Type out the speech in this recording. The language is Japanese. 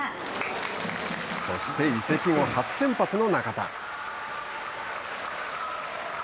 そして移籍後初先発の中田。